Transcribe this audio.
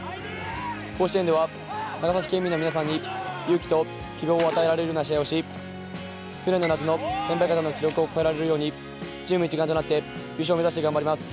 甲子園では、長崎県民の皆さんに勇気と希望を与えられるような試合をし去年の夏の先輩方の記録を超えられるようにチーム一丸となって優勝目指して頑張ります。